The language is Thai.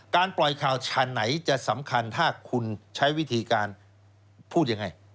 การปล่อยข่าวไหนจะสำคัญถ้าคุณใช้วิธีการพูดอย่างไร